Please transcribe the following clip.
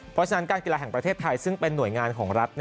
เพราะฉะนั้นการกีฬาแห่งประเทศไทยซึ่งเป็นหน่วยงานของรัฐ